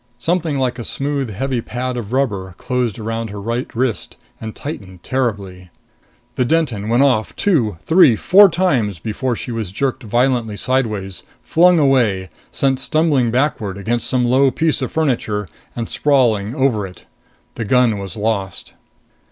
Something like a smooth, heavy pad of rubber closed around her right wrist and tightened terribly. The Denton went off, two, three, four times before she was jerked violently sideways, flung away, sent stumbling backward against some low piece of furniture and, sprawling, over it. The gun was lost.